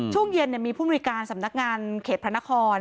ช่วงเย็นเนี้ยมีผู้ภูมิการสำนักงานเขตพระนคร